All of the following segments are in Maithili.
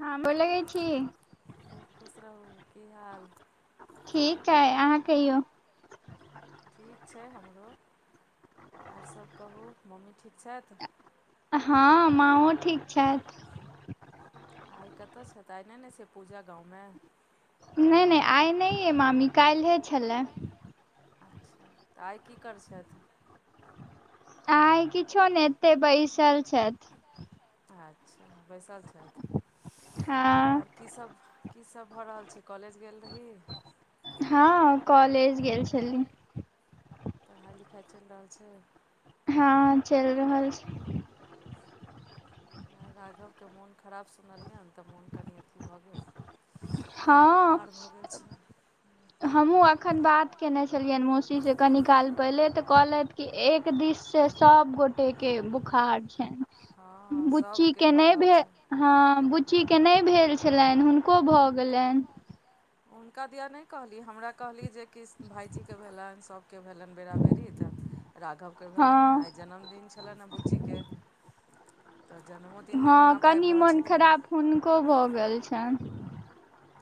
हँ गोर लागैय छी खूब खुश रहू की हाल ठीक हइ अहाँ कहियौ ठीक छै हमरो और सब कहू मम्मी ठीक छैथ हँ माँओ ठीक छैथ आइ कतय छैथ आइ नइ न छै पूजा गाँवमे नइ नइ आइ नय यऽ मामी काल्हे छलै अच्छा तऽ आइ की करै छैथ आय किछो नइ एतेय बैसल छैथ अच्छा बैसल छैय हँ आओर की सब की सब भऽ रहल छै कॉलेज गेल रही हँ कॉलेज गेल छली पढ़ाइ लिखाइ चलि रहल छै हँ चलि रहल छै राघवके मोन खराब सुनलियै नऽ तऽ मोन कनि अथी भऽ गेल हँ बोखार भऽ गेल छै एतेक हमहुँ एखैन बात केयने छलियैन मौसीसँ कनी काल पहिले तऽ कहलैथ की एक दिस से सब गोटे के के बुखार छैन हँ बुच्ची सभके के भऽ नइ रहल भेऽ छै हँ बुच्चीके नहि भेल छलैन हुनको भऽ गेलैन हुनका दिया नइ कहली हमरा कहली जे कृष्ण भाइजीके भेलैन सभके भेलनि बेरा बरी तऽ राघवके भेलैन हँ हे आइ जन्मदिन छलैन ह बुच्चीके तऽ जन्मोदिन नइ हँ मना कनि पाबि रहल मोन छथिन खराब हुनको भऽ गेल छैन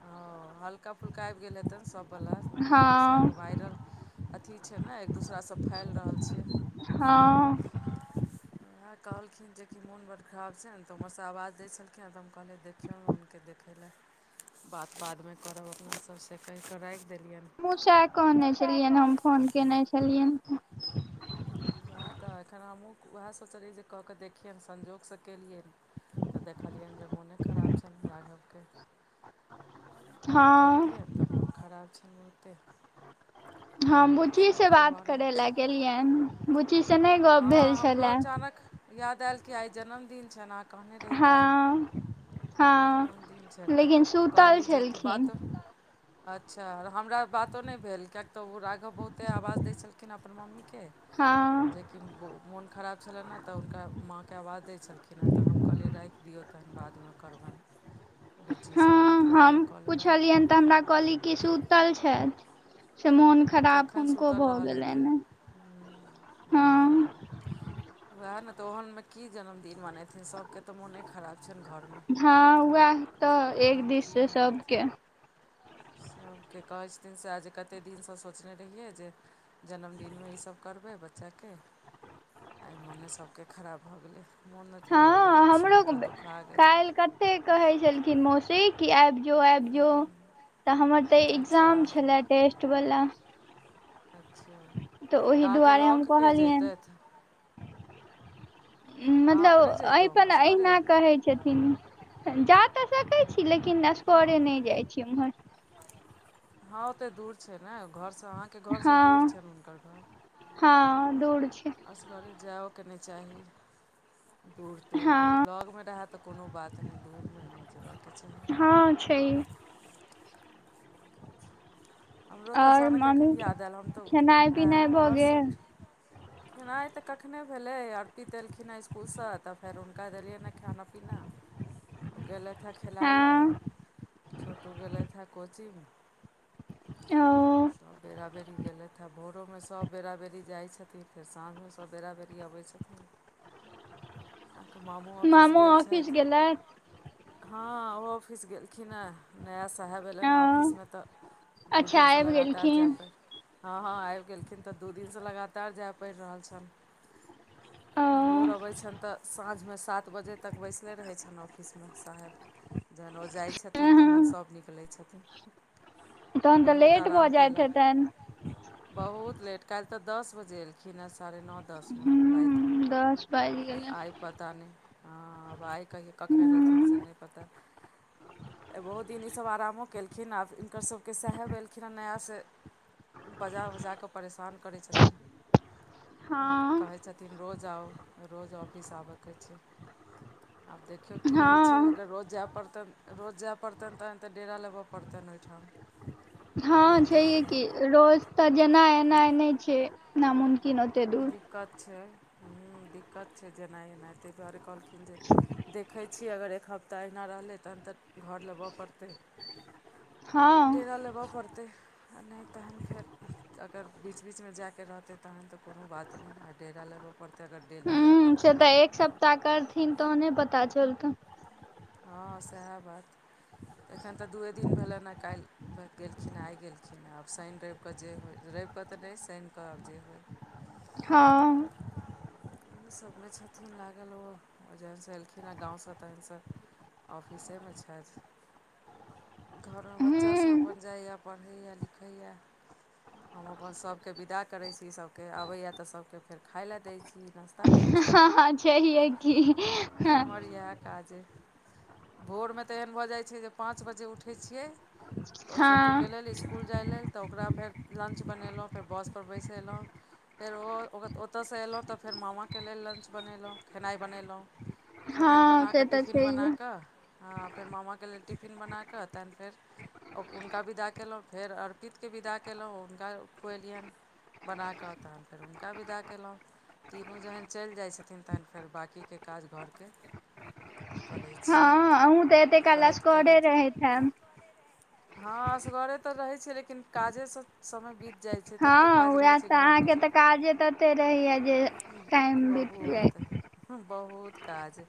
हँ हल्का फुल्का आबि गेल हेतैन सभवला एक दूसरा हँ कऽ वायरल अथी छै ने एक दोसरा सँ फैल रहल छै हँ हँ भाय कहलखिन जेकि मोन बड खराब छै ने तऽ ओम्हरसँ आवाज दै छलखिन हँ तऽ हम कहलिय देख चलू न हुनके देखै लऽ बात बादमे करब अपना सब से कहि कऽ राखि देलियैन हमहुँ चाय सेह छलियैन हम फोन कयने छलियैन तऽ उहै तऽ एखन हमहूँ उहै सोचलियै जे कऽ कऽ देखियनि संजोग सँ केलियैन तऽ देखलियैन जे मोने खराब छनि राघवके बात हँ करितियैन तऽ मोन खराब छैय बहुते हम बुची से सभके बात भऽ रहल करे लए छै गेलियनि। बुची से नहि गप हँ भेल हमरो छलए। अचानक याद आयल कि आइ जन्मदिन छनि। कहने रही काल्हि हँ हँ जन्मदिन छनि। तऽ लेकिन सुतल कहली जे कि बात छलखिन अच्छा, हमरा बातो नहि भेल किएक तऽ ओ राघव बहुते आवाज दै छलखिन अपन मम्मीके हँ कि मोन खराब छलनि हँ, तऽ हुनका माँकेँ आवाज दै छलखिन हँ, तऽ हम कहलियै, राखि दियै, तखन बादमे। करबनि बुच्ची, सभ बात बातमे कऽ लेबनि। त हमरा कहलि की जे सुतल छैत से मोन खराब तखन हुनको सूतल भऽ रहल गेलनि हेतीह ने हँ वएह ने तो ओहन मे की जन्मदिन मनेथिन सभ के तऽ मोने खराब छन घरमे हँ उएह तऽ एक जन्मदिन दिस से सभके सभकेँ कहै छथिन से आ जे कतेक दिनसँ सोचने रहियै जे जन्मदिनमे ईसभ करबै बच्चाके आइ मोने सभके खराब भऽ गेलै मोन अथी भऽ गेल हँ हमरो सुनि कऽ दुखआ गेल काल्हि कते कहै छलखिन मोस्ट से की आबि जो आबि जो तऽ हमर तऽ अच्छा एग्जाम अहाँके छला टेस्ट वाला अच्छा तऽ ओहि अहाँके दुआरे लऽ हम कऽ के कहलिये जैतथि अहाँ मतलब अपने जैतहुँ अहिपन असगरे एहिहिना कहै छथिन। जा तऽ सकैत छी। लेकिन हँ नसगरे नहि जाइत छी ओम्हर हँ ओतेक दूर छै। ने घरसँ अहाँके घरसँ दूर हँ छनि हुनकर घर हँ दौड़ छै। असगड़े जाइओके नहि चाही दूर दूरमे हँ ब्लॉकमे रहै तऽ कोनो बात नहि, दूरमे नहि जायबाके चाही। हँ छै हमरो तऽ आओर अचानक एखन मामी याद आयल हम तऽ खेनाइ आँय पिनाइ भऽ आओर गेल सभ खेनाइ तऽ कखने भेलै आर पितेलखिन हेँ इसकुलसँ तऽ फेर हुनका देलियनि हँ खाना पीना ओ गेलथि हथे खेलाय लए हँ छोटू गेलथि हेथा कोचिंग ओ सभ बेराबेरी गेलथि हँ भोरोमे सभ बेराबेरी जाइ छथिन फेर साँझमे सबवेरा बेरी अबै छथिन अहाँके मामू ऑफिस मामो गेल ऑफिस गेलथि छथि। हँ ओ ऑफिस गेलखिन हे नया साहेब एयलन ह हँ ऑफिसमे तऽ दू अच्छा दिनसँ आबि लगातार जाय गेलखिन प हँ हँ आबि गेलखिन तऽ दू दिनसँ लगातार जाय पड़ि रहल छनि ओ भोर अबै छनि तऽ साँझमे सात बजे तक बैसले रहै छनि ऑफिसमे साहेब जहन ओ जाइ छथिन। तहन अहं सभ निकलै छथिन तहन तऽ बहुत लेट भऽ आराम जाइत हेतनि कयलाक बहुत लेट काल्हि तऽ दस बजे एलखिन हेँ साढ़े नओ दसमे रातिमे [unintelligible] गेलै आइ पता नहि हँ आब आइ कहियै कखन रहथिन से हूँ नहि पता बहुत दिन ईसभ आरामो केलखिन आ हिनकरसभके सहाहब एयलखिन हेँ नयासँ बजा बजा कऽ परेशान करै छथिन। आ हँ कहै छथिन रोज आउ रोज ऑफिस आबयके छै आब देखियौ की होइ छै, हँ अगर रोज जाय पड़तन, रोज जाय पड़तन, तहन तऽ डेरा लेबऽ पड़तन ओहिठाम। [inaudible] छै ये तखन की रोज तऽ जेना एना नहि छै, नामुमकिन ओते दूर। दिक्कत छै हँ, दिक्कत छै, जेना एना ताहि दुआरे कहलखिन जे। देखै छियै अगर एक हफ्ता अहिना रहलै तखन तऽ घर लेबय पड़तै हँ डेरा लेबय पड़तै आ नहि तहन फेर अगर बीच बीच मे जाइके रहतै तहन तऽ कोनो बात नहि आ डेरा लेबऽ पड़तै अगर डेली जायब हूँ से तऽ एक सप्ताह करथिन तहने पता चलते हँ सएह बात एखन तऽ दूए दिन भेलनि हँ काल्हि गेलखिन आइ गेलखिन हँ आब शानन रविके जे होइ रविकऽ तऽ नहि शानिक कऽ आब जे होइ हँ ह समी सभमे छथिन लागल ओ आ जखनसँ एलखिन हे गाँव सँ तखन सँ ऑफिसे मे छथि घरमे बच्चासभ हूँ अपन जाइए पढ़ैए लिखैए हम अपन सभके विदा करै छी सभके आबैए तऽ सभकेँ फेर खाय लेलए दै छी नाश्ता ता दैछि हँ हँ छैहे की कमरिया काजे भोरमे तऽ एहन भऽ जाइत छै जे पाँच बजे उठै छियै ओ छोटु के हँ लेल इसकुल जाइ लेल तऽ ओकरा फेर लंच बनेलहुँ फेर बस परर बैसेलहुॅँ फेर ओ ओ ओतऽसँ एलहुँ तऽ फेर मामाके लेल लंच बनेलहुँ खेनाइ बनेलहुँ खेनाइ हँ बना से कऽ तऽ टिफिन बना छैहे कऽ आ फेर मामाके लेल टिफिन बना कऽ तहन फेर हुनका विदा कयलहुँ फेर अर्पित के विदा कयलहुँ हुनका खुएलियन बनाकऽ तहन फेर हुनका बिदा कलहुँ तीनू जहन चलि जाइ छथिन तहन फेर बाँाकी के काज घरके करै छियै उ तऽ एते काल करैत असगरे करैत रहैत हैब हँ असगरे तऽ रहै छियै लेकिन काजे सँ समय बीत जाइत छै ततेक काज हँ उएह रहैत छै तऽ घरमे अहाँके जे तऽ काजे तऽ तते रहैया जे टाइम बीत बहुत जाए बहुत काज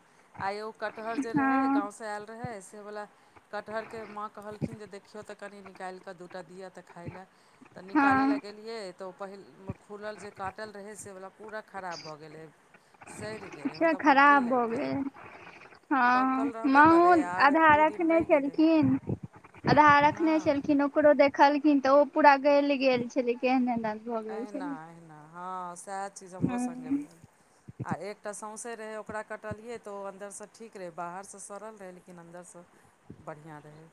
आइ एगो कटहर जे रहै हँ गाँव सँ आयल रहै से वला कटहरके माँ कहलखिन जे देखियौ तऽ कनि निकालि कऽ दू टा दिअ तऽ खाइ लए ते निकाले ले हँ गेलिये तो पहिल खुलल जे काटल रहै से वला पूरा खराब भऽ गेलै सड़ि गेलै अच्छा मतलब फुफरी खराब भ लागि गेलै गेल हँ पकल रहबे माँ ओ करै आर आधा दू दिन रखने रहि गेलै छलखिन आधा रखने हँ छलखिन ओकरो देखलखिन तऽ ओ पूरा गलि गेल छलै केहन ए अना अहिना हँ सएह चीज हमरो सङ्गे हँ भेल आ एकटा सौँसै रहै ओकरा कटलियै त ओ अन्दर सँ ठीक रहै बाहर सँ सड़ल रहै लेकिन अन्दर सँ बढ़िया रहै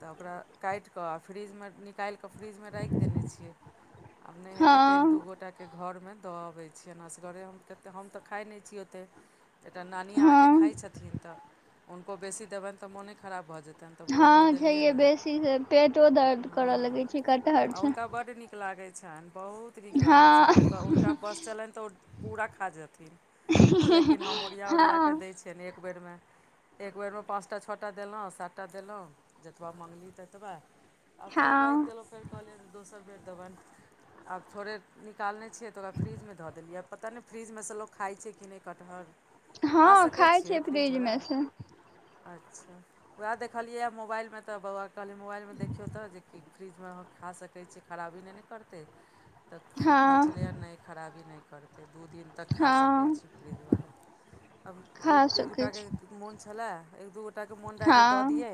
तऽ ओकरा काटििकऽ आ फ्रीजमे निकालि कऽ फ्रीजमे राखि देने छियै आब नहि हेतै तऽ एक दू हँ गोटा के घरमे द अबै छिये असगरे हम कतेक हम त खाय न छीये ओते एकटा नानी अहाँके हँ खाइ छथिन तऽ हुनको बेसी देबनि तऽ मोने खराब भऽ जेतनि तन तऽ भोरमे हँ देलियनि छैहे ने बेसी से पेटो दर्द करऽ हँ लगै छै कटहर आ से हुनका बड्ड नीक नीक लागै छनि बहुत नीक लागै हँ छनि ओ हुनका बस चलनि तऽ ओ पूरा खा जेथिन लेकिन हम ओरिया ओरिया क हँ दै छियन एक बेर में एक बेरमे पाँच टा छ टा देलहुँ सात टा देलहुँ जतबा मांगली ततबा आ फेर राख हँ देलहुँ फेर कहलियै जे दोसर बेर देबन आब थोड़े निकालने छियै तऽ ओकरा फ्रीजमे धऽ देलियै आ पता नहि फ्रीजमे सँ लोक खाइत छै कि नहि कटहर खा हँ सकै खाय छियै छै फ्रिज फ्रिजवला मे से अच्छा वएह देखलियै मोबाइलमे तऽ बौआ कहलियै मोबाइलमे देखियौ तऽ जे कि फ्रिजमे खा सकै छियै खराबी नहि ने करतै तऽ लिखल हँ छलैय नहि खराबी नहि करतै दू दिन तक खा सकै हँ छी फ्रिजवला आब एक खा दू सकै गोटाके छी मोन छलय एक दू गोटाके मोन रहए जे दऽ हँ दियै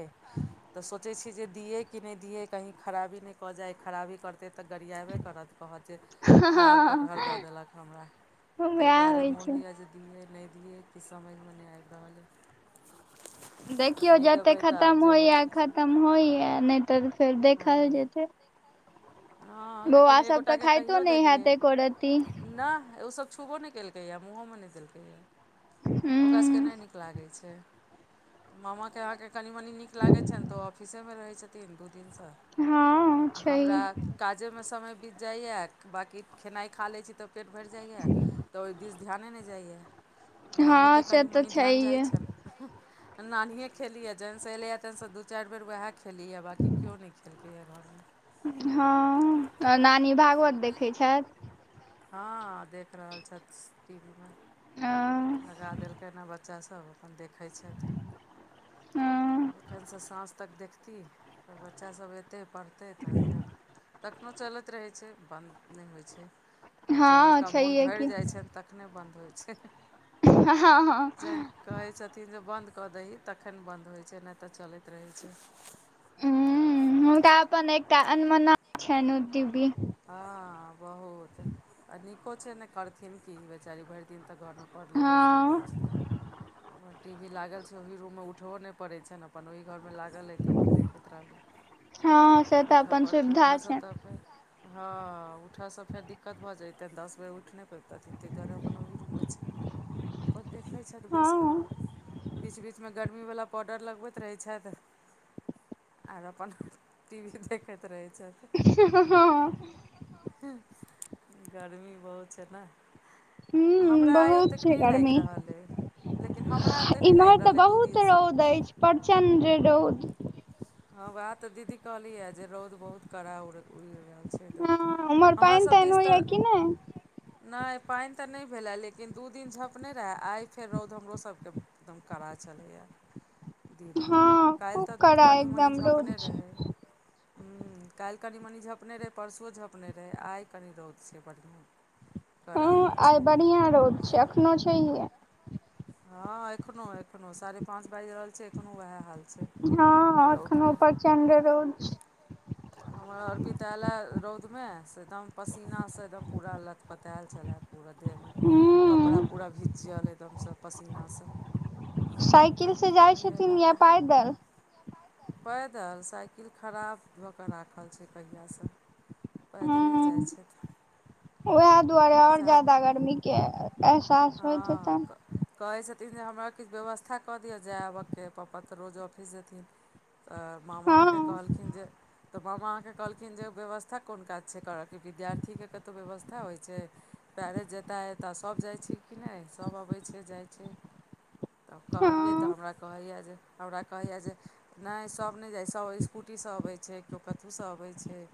तऽ सोचै छी जे दियए कि नहि दियै कहीँ खराबी नहि कऽ जाइ खराबी करतै तऽ गड़ियाबै करत कहत जे खराब हँ कटहर दऽ देलक हमरा ताहि वएह दुआरे होइ छै मोन होइए जे दियै नहि दियै की समझमे नहि आबि रहल ये देखियौ जते तऽ खतम जे होइ होइया छै से खतम होइया नहि तऽ फेर देखल हँ जेतै हँ बौआ लेकिन सब तऽ एगोटाके खाइतो कहियो नहि देलियै हैत एको रती न सब छुबो नै केलकै या मुंहो मे नहि देलकै या ओकरा सब के हूं नहि नीक लागै छै मामाके अहाँकेँ कनि मनि नीक लागै छनि तऽ ओ ऑफिसेमे रहैत छथिन दू दिनसँ हँ हमरा छैहे काजेमे समय बीत जाइए बाँकी खेनाइ खा लैत छी तऽ पेट भरि जाइए तऽ ओहि दिस ध्याने नहि जाइए हँ नानीके से कनि तऽ मनि ध्यान जाइ छैहे छनि नानियें खेलियए जखनसँ एलैएँ तेनसँ दू चारि बेर वएह खीए बाँकी केओ नहि खेलकैए घरमे हँ नानी भागवत देखैत छथि हँ देख रहल छथि टी वी मे हँ लगा देलकै ह बच्चासभ अपन देखै छथि हँ एखनसँ साँझ तक देखती तऽ बच्चासभ अयतै पढ़तै तखन फेर तखनहु चलैत रहैत छै बन्द नहि होइत छै जखन हँ हुनका मोन छैहे की भरि जाइत छनि तखने बन्द होइ छै हँ हँ जहन कहैत छथिन जे बन्द कऽ दही तखन बन्द होइत छै नहि तऽ चलैत रहैत छै हँ तऽ अपन एकटा अनमना छनि उ दी भी हँ बहुत आ नीको छै ने करथिन की बेचारी भरि दिन तऽ घरमे परले बैसले हँ रहै छथिन टी वी लागल छै ओहि रूम मे उठबो नहि पड़े छै ने अपन ओहि घर मे लागल हे तऽ अपन देखैत रहली [inaudible] हँ से तऽ अपन सुविधा छनि हँ [inaudible] हँ उठय सँ फेर दिक्कत भ जेतन दस बेर उठ न पेयते ताहि दुआरे अपन ओहि रूम मे छै अपन देखैत छथि बैस कऽ हँ बीच बीचमे गर्मीवला पाउडर लगबैत रहै छथि आर अपन टी वी देखैत रहैत छथि हँ गर्मी बहुत छै ने ह हमरा आइ बहुत ओतेक छै नहि गर्मी लागि रहल अय लेकिन हमरा ओतय नहि इम्हर लागि तऽ रहल अइ दू बहुत दिनसँ रौद अछि प्रचंड रौद हँ उएह तऽ दीदी कहलियैए जे रौद बहुत कड़ा उड़ि रहल छै एकदम हँ उम्हर पानि हमरासभ तानि दिस तऽ होइय कि नहि नहि पानि तऽ नहि भेलै लेकिन दू दिन झप नहि रहय आइ फेर रौद हमरोसभके एकदम कड़ा चलैय दिन मे हँ काल्हि खूब तऽ कड़ा एकदम रौद हूं छै हँ काल्हि कनि मनि झपने रहै परसुओ झँपने रहै आइ कनि रौद छै बढ़िआँ कड़ा रौद छै बढ़ियाँ रौद छै अखनो छैेहे हँ एखनो एखनो साढ़े पांच बाजि रहल छै एखनो वएह हाल छै हँ एखनो रौदके प्रचण्डे रौद छै हमर अरपिता एलए रौदमे से एकदम पसीनासँ एकदम पूरा लतपतायल छलै पूरा देहमे कपड़ा हूँ पूरा भिजल एकदमसँ पसीनासँ साइकिल तैँ से फेर जाइ छथिन नहेलक या पैदल? पैदल साइकिल खराब धऽ कऽ राखल छैय कहिआासँ पैदले जाइ छथि। वएह दुआरे ओर सएह ज्यादा गरमी के एहसास होइत हँ हितैत। क- कहै छथिन जे हमरा किछु व्यवस्था कऽ दिअ जाय आबयके पपापा तऽ रोज ऑफिस जेथिन। तऽ मामा अहाँकेँ हँ कहलखिन जे तऽ मामा अहाँकेँ कहलखिन जे व्यवस्था कोन काज छै करय कि विद्यार्थीके कतहु व्यवस्था होइ छैय। पैरेज जेताह अताह सभ जाइ छैय कि नहि सभ अबै छैय जाइ छैय। तब कहलियै हँ तऽ हमरा कहैए जे हमरा कहैए जे नहि सभ नहि जाइ छैय सभ स्कूटीसँ अबैत छैय केओ कतहुसँ अबैत छैय।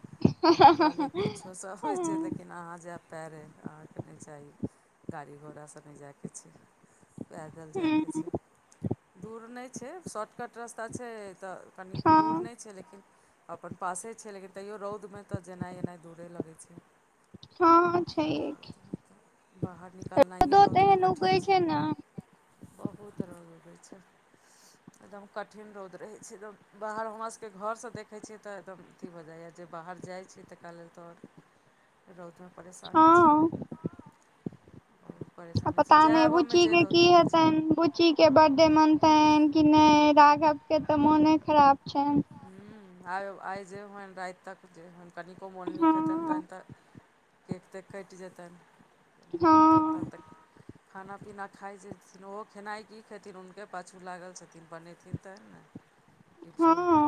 हम कहलै हँ किछु सब होइ छैय त लेकिन अहाँ जाय पा रहै अहाँके नहि चाही गाड़ी घोड़ासँ नहि जाइके छैय। पैदल जायके छैय। दूर नहि छैय शॉर्टकट रस्ता छैय तऽ कनि दूर हँ नहि छैय लेकिन अपन पासे छैय लेकिन तैयो रौदमे तऽ जेनाइ एनाइ दूरे लगै छैय। ह छैहे की। बाहर निकलनाइए रौदमे तेहन उगै कठिन छै ने छैय। बहुत रौद होय छैय। एकदम कठिन रौद रहै छैय एकदम बाहर हमरास के घरसँ देख देखै छियै तऽ एकदम अथी भऽ जाइए जे बाहर जाई छी तकरा लेल तो अर रौदमे परेशानी छैय। हँ आ पता नहि बुच्ची के रौद की लगै छै हेतनि बुच चीके बर्डे मनतनि कि नहि राघवके तऽ मोने खराब छनि। ह आइ आइ जे होन रात तक जे कनिको मोन नीक हेतन हँ तहन तऽ केक तऽ कटि जेतनि। नहि हेतनि तखन हँ तऽ खाना पीना खाई छथिन ओहो खेनाई की खेथिन हुनके पाछू लागल छथिन बनेथिन तहन ने। किछु हँ